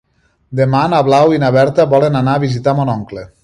Demà na Blau i na Berta volen anar a visitar mon oncle.